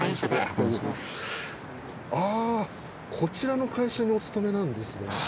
ああこちらの会社にお勤めなんですね。